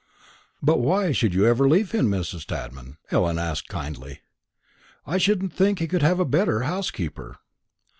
"But why should you ever leave him, Mrs. Tadman?" Ellen asked kindly. "I shouldn't think he could have a better housekeeper."